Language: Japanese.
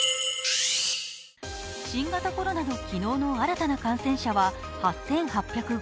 新型コロナの昨日の新たな感染者は８８０５人。